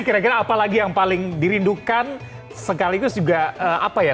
kira kira apalagi yang paling dirindukan sekaligus juga apa ya